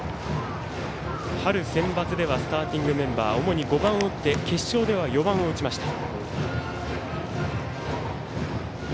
春センバツではスターティングメンバー主に５番を打って決勝では４番を打ちました。